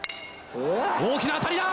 大きな当たりだ！